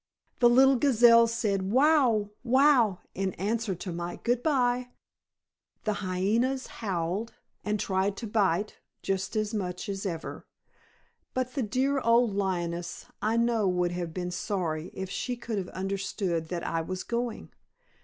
The little gazelles said, "Wow! wow!" in answer to my "Good bye"; the hyenas howled and tried to bite, just as much as ever; but the dear old lioness I know would have been sorry if she could have understood that I was going.